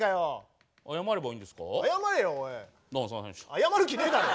謝る気ねえだろ！